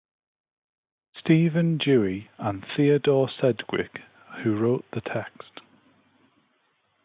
Stephen Dewey, and Theodore Sedgwick, who wrote the text.